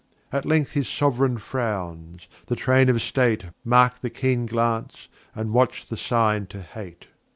At length his Sov'reign frowns the Train of State Mark the keen Glance, and watch the Sign to hate.